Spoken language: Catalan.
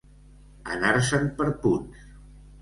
Anar-se'n per punts.